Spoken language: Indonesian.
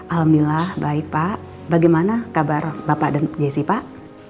alhamdulillah baik pak bagaimana kabar bapak dan jessi pak